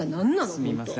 すみません。